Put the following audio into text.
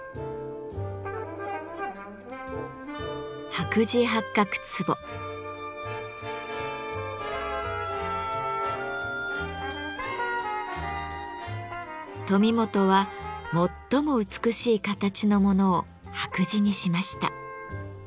「白磁八角壺」。富本は最も美しい形のものを白磁にしました。